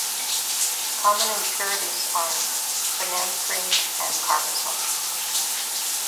Common impurities are phenanthrene and carbazole.